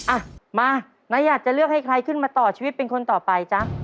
อ่ะมาน้ายัดจะเลือกให้ใครขึ้นมาต่อชีวิตเป็นคนต่อไปจ๊ะ